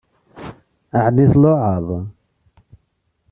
Ɛni tluɛaḍ?